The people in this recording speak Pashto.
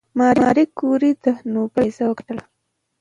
ماري کوري د نوبل جایزه وګټله.